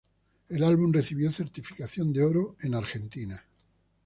El álbum recibió certificación de Oro en Argentina.